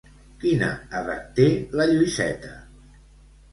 Quina edat té la Lluïseta?